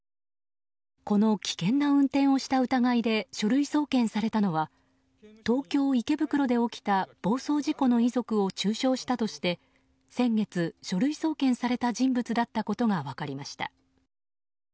この危険な運転をした疑いで書類送検されたのは東京・池袋で起きた暴走事故の遺族を中傷したとして先月、書類送検された人物だったことが分かりました。